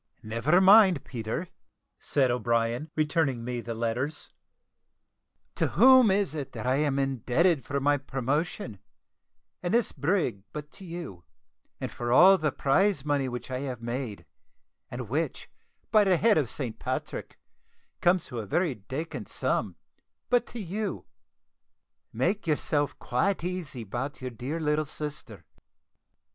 "Never mind, Peter," said O'Brien, returning me the letters; "to whom is it that I am indebted for my promotion, and this brig, but to you and for all the prize money which I have made, and which, by the head of St. Patrick, comes to a very dacant sum, but to you? Make yourself quite easy about your dear little sister.